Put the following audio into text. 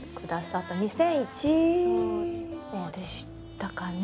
そうでしたかね。